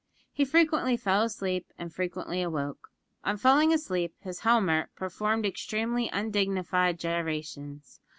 He frequently fell asleep, and frequently awoke. On falling asleep, his helmet performed extremely undignified gyrations.